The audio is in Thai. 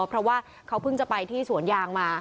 เพราะว่าเขาเพิ่งจะไปที่สวนยางมา